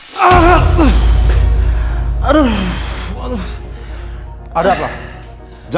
tidak ada yang masuk kedepannya